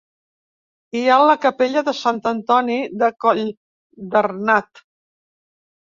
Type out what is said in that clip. Hi ha la capella de Sant Antoni de Colldarnat.